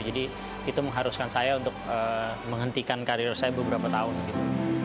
jadi itu mengharuskan saya untuk menghentikan karir saya beberapa tahun gitu